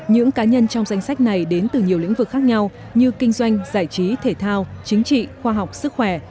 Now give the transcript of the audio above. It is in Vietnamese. những cá nhân trong danh sách này đến từ nhiều lĩnh vực khác nhau như kinh doanh giải trí thể thao chính trị khoa học sức khỏe